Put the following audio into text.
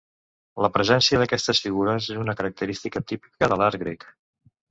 La presència d'aquestes figures és una característica típica de l'art grec.